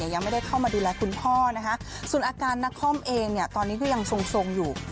ยังไม่ได้เข้ามาดูแลคุณพ่อส่วนอาการนักคล่อมเองตอนนี้ก็ยังทรงอยู่